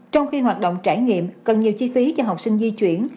trong khi hoạt động trải nghiệm cần nhiều chi phí cho học sinh di chuyển